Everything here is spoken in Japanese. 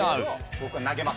僕が投げます。